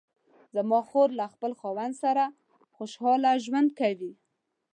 زما خور له خپل خاوند سره خوشحاله ژوند کوي